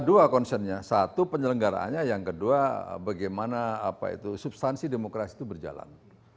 dua concernnya satu penyelenggaraannya yang kedua bagaimana substansi demokrasi itu berjalan